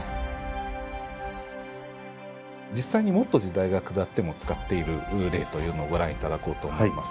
実際にもっと時代が下っても使っている例というのをご覧頂こうと思います。